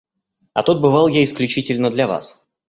А тут бывал я исключительно для вас.